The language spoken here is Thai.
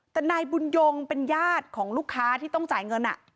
แต่นายบุญยงเป็นญาติของลูกค้าที่ต้องจ่ายเงิน